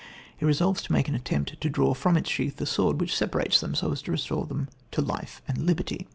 He resolves to make an attempt to draw from its sheath the sword which separates them and so restore them to life and liberty.